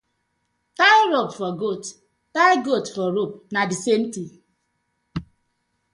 Tie rope for goat, tie goat for rope, na the same thing.